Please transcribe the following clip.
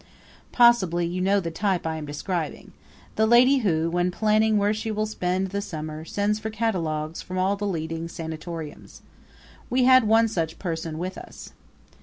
Possibly you know the type I am describing the lady who, when planning where she will spend the summer, sends for catalogues from all the leading sanatoriums. We had one such person with us.